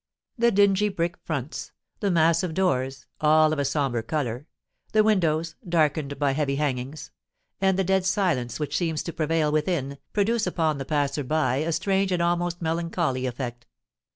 The dingy brick fronts—the massive doors, all of a sombre colour—the windows, darkened by heavy hangings—and the dead silence which seems to prevail within, produce upon the passer by a strange and almost melancholy effect.